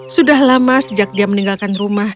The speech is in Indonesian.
sudah lama sejak dia meninggalkan rumah